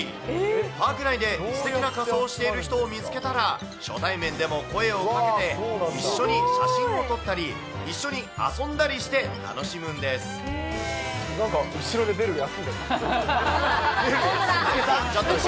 パーク内ですてきな仮装をしている人を見つけたら、初対面でも声をかけて、一緒に写真を撮ったり、一緒に遊んだりして楽しむんです。なんて声かけた？